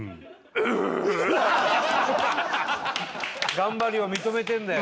頑張りを認めてるんだよ。